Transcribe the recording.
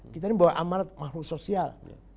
kita ini bawa amarat makhluk sosial